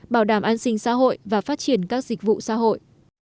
bảo đảm an sinh xã hội và phát triển các dịch vụ xã hội